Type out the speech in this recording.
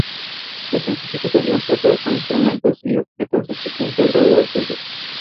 Fue ilustrada por George Morrow, dibujante de la revista "Punch".